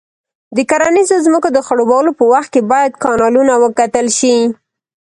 د کرنیزو ځمکو د خړوبولو په وخت کې باید کانالونه وکتل شي.